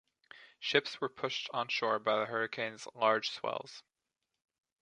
Ships were pushed onshore by the hurricane's large swells.